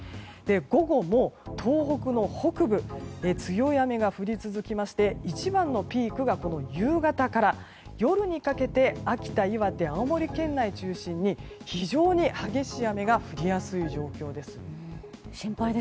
午後も東北の北部強い雨が降り続きまして一番のピークが夕方から夜にかけて秋田、岩手、青森県内を中心に非常に激しい雨が降りやすい状況です。